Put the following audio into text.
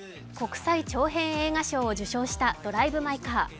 国際長編映画賞を受賞した「ドライブ・マイ・カー」。